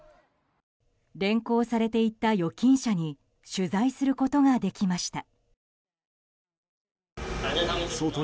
連行されていった預金者に取材することができました。